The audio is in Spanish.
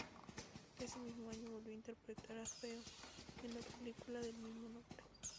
Ese mismo año volvió a interpretar a Theo en la película del mismo nombre.